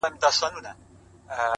قربانو زړه مـي خپه دى دا څو عمـر _